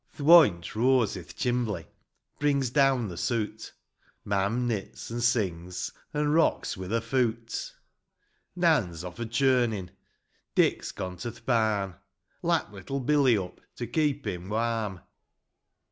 Th' woint roars i'th chimbley ; Brings down the soot ; Mam knits, an' sings, an' Rocks with her fuut. IV. Nan's off a churnin' Dick's gone to th' barn ; Lap little Billy up, To keep him warm.